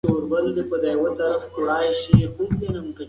که روبوټونه خراب شي، انسان باید بدیل وي.